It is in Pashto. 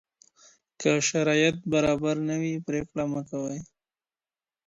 که شرایط برابر نه وي، پرېکړه مه کوئ.